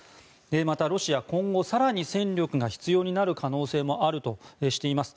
また、ロシアは今後更に戦力が必要になる可能性もあるとしています。